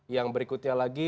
yang berikutnya lagi